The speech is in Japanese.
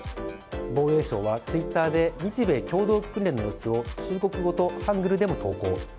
防衛省はツイッターで日米共同訓練の様子を中国語とハングルでも投稿。